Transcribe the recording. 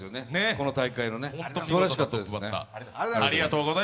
この大会のすばらしかったです。